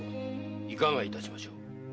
いかがいたしましょう？